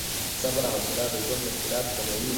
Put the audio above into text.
صبر او حوصله د ژوند مشکلات کموي.